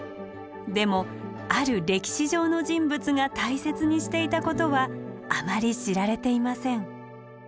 でもある歴史上の人物が大切にしていたことはあまり知られていません。